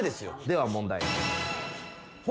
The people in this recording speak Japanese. では問題。